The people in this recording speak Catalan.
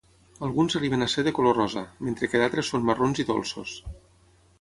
Alguns arriben a ser de color rosa, mentre que d'altres són marrons i dolços.